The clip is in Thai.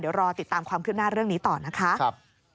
เดี๋ยวรอติดตามความคืบหน้าเรื่องนี้ต่อนะคะ